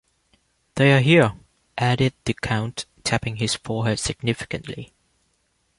‘They are here,’ added the count, tapping his forehead significantly.